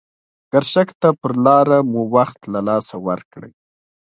ګرشک ته پر لاره مو وخت له لاسه ورکړی.